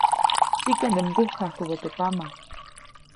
Tikaʼnde mgukjajkubä teʼ pama.